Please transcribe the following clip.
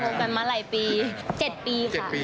เราพูดผ่านมาหลายปี๗ปีค่ะ